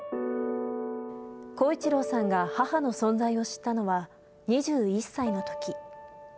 耕一郎さんが母の存在を知ったのは２１歳のとき。